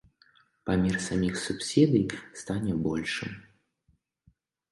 Памер саміх субсідый стане большым.